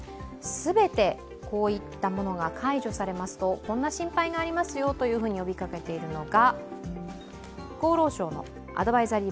全てこういったものが解除されるとこんな心配がありますよと呼びかけているのが厚労省のアドバイザリー